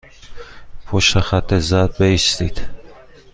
پشت خط زرد بایستید.